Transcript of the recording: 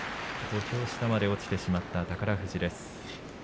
土俵下まで落ちてしまった宝富士です。